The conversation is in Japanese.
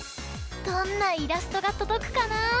どんなイラストがとどくかな！